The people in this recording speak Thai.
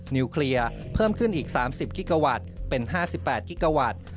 นิวเคลียร์เพิ่มขึ้นอีก๓๐กิกาวัตต์เป็น๕๘กิกาวัตต์